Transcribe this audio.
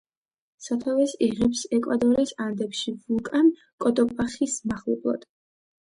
სათავეს იღებს ეკვადორის ანდებში ვულკან კოტოპახის მახლობლად.